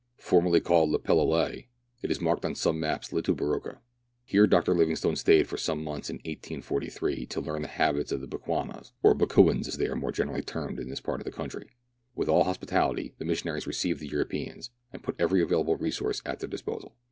Formerly called Lepelolc, it is marked on some maps Litoubarouka. Here Dr. Livingstone stayed for some months in 1843, to learn the habits of the Bechuanas, or Bakouins, as they are more generally termed in this part of the country. With all hospitality the missionaries received the Europeans, and put every available resource at their disposal.